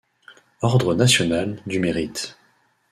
Ordre national du mérite.